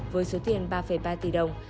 với số tiền ba ba tỷ đồng